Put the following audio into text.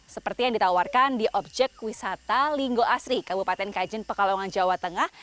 seperti yang ditawarkan di objek wisata linggo asri kabupaten kajen pekalongan jawa tengah